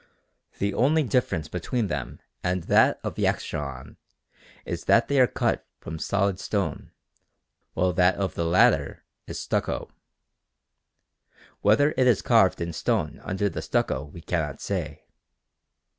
The only difference between them and that of Yaxchilan is that they are cut from solid stone while that of the latter is stucco. Whether it is carved in stone under the stucco we cannot say.